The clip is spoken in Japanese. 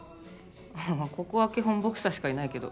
ここは基本ボクサーしかいないけど。